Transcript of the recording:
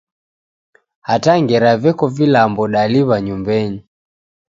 Hata ngera veko vilambo daliw'a nyumbeni.